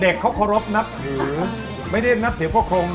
เด็กเขาขอบร์บนับถือไม่ได้นับถือเพราะฮร